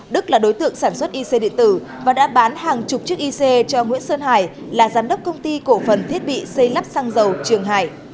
đức là đối tượng sản xuất ic điện tử và đã bán hàng chục chiếc ic cho nguyễn sơn hải là giám đốc công ty cổ phần thiết bị xây lắp xăng dầu trường hải